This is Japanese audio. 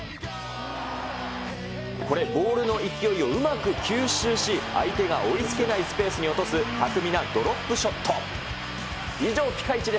これ、ボールの勢いをうまく吸収し、相手が追いつけないスペースに落とす巧みなドロップショット。